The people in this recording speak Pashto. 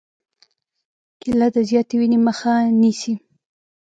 کېله د زیاتې وینې مخه نیسي.